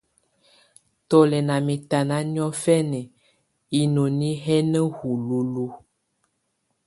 Tù lɛ̀ nà mɛ̀tana niɔfɛna hinoni hɛ̀ na hululuǝ́.